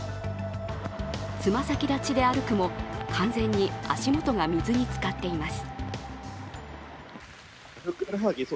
爪先立ちで歩くも、完全に足元が水につかっています。